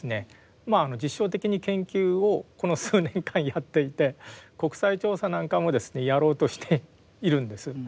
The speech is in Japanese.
まあ実証的に研究をこの数年間やっていて国際調査なんかもですねやろうとしているんです。